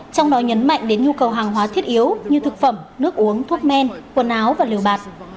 trong đó nhấn mạnh đến nhu cầu hàng hóa thiết yếu như thực phẩm nước uống thuốc men quần áo và liều bạc